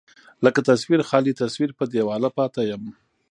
لکه تصوير، خالي تصوير په دېواله پاتې يم